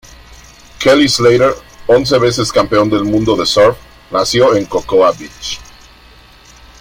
Kelly Slater, once veces campeón del mundo de surf, nació en Cocoa Beach.